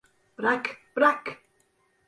Bırak, bırak!